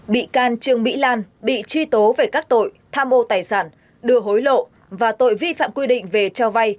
bị can trương mỹ lan bị truy tố về các tội tham ô tài sản đưa hối lộ và tội vi phạm quy định về cho vay